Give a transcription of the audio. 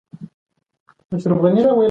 آیا ستاسو په ټولنه کې یووالی سته؟